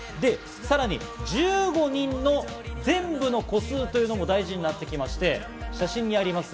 さらに１５人の全部の個数というのも大事になってきまして、写真にあります